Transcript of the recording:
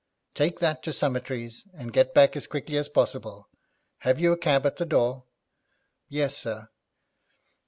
'Take that to Summertrees, and get back as quickly as possible. Have you a cab at the door?' 'Yes, sir.'